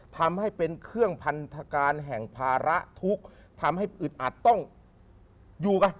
ทำให้เป็นเครื่องพันธการแห่งภาระทุกข์ทำให้อึดอัดต้องอยู่กัน